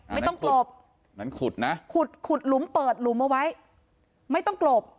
ไม่ต้องกลบนั้นขุดนะขุดขุดหลุมเปิดหลุมเอาไว้ไม่ต้องกลบ